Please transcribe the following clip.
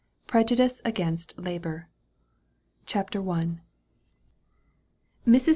PREJUDICE AGAINST LABOR. CHAPTER I. Mrs.